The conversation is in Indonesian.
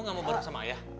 gak mau bareng sama ayah